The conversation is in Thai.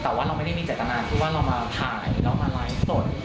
แต่ว่าเราไม่ได้มีเจตนาคือว่าเรามาถ่ายเรามาไลฟ์สด